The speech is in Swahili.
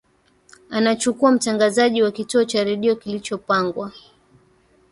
anachukua mtangazaji wa kituo cha redio kilichopangwa